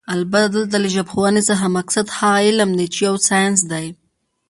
البته دلته له ژبپوهنې څخه مقصد هغه علم دی چې يو ساينس دی